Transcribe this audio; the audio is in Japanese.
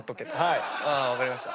分かりました。